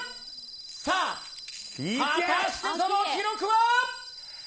さあ、果たしてその記録は？